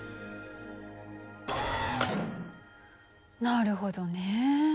なるほどね。